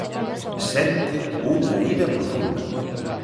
Sente unha ira profunda.